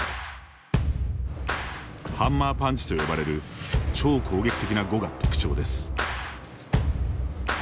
ハンマーパンチと呼ばれる超攻撃的な碁が特徴です。